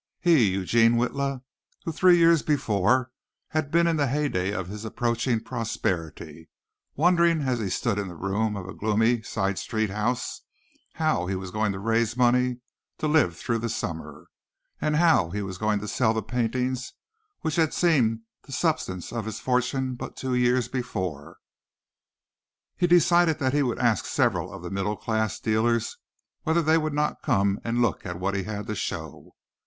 he, Eugene Witla, who three years before had been in the heyday of his approaching prosperity, wondering as he stood in the room of a gloomy side street house how he was going to raise money to live through the summer, and how he was going to sell the paintings which had seemed the substance of his fortune but two years before. He decided that he would ask several of the middle class dealers whether they would not come and look at what he had to show.